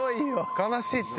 悲しいって。